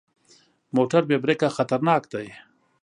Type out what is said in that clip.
موټر بې بریکه خطرناک دی.